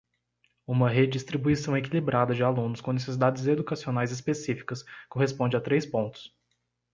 Uma redistribuição equilibrada de alunos com necessidades educacionais específicas corresponde a três pontos.